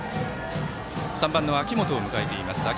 ３番の秋元悠汰を迎えています。